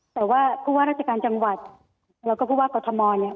แต่ว่าผู้ว่าราชการจังหวัดแล้วก็ผู้ว่ากอทมเนี่ย